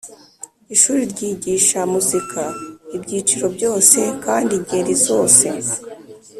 ishuri ryigisha muzika ibyiciro byose kandi ingeri zose.